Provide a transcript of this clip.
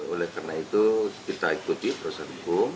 oleh karena itu kita ikuti proses hukum